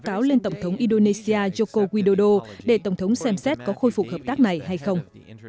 báo cáo lên tổng thống indonesia joko widodo để tổng thống xem xét có khôi phục hợp tác này hay không